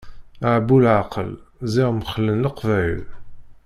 A bu leɛqel, ziɣ mxellen Leqbayel.